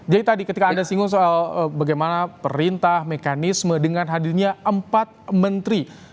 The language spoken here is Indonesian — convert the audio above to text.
jadi tadi ketika anda singgung soal bagaimana perintah mekanisme dengan hadirnya empat menteri